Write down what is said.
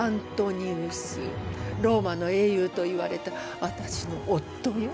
ローマの英雄といわれた私の夫よ。